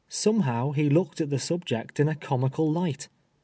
Somehow, he looked at the subject in a comical light.